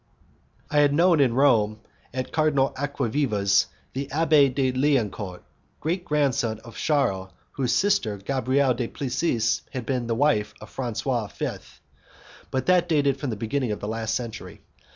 I had known in Rome, at Cardinal Acquaviva's, the Abbé de Liancourt, great grandson of Charles, whose sister, Gabrielle du Plessis, had been the wife of Francois V., but that dated from the beginning of the last century.